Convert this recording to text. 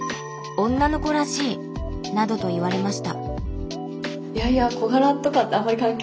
「女の子らしい」などと言われました。